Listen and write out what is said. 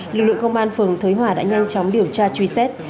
lực lượng công an phường thới hòa đã nhanh chóng điều tra truy xét